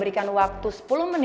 eh bukan tanpa alasan